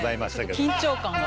緊張感が。